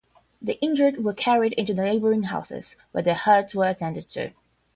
The injured were carried into the neighboring houses, where their hurts were attended to.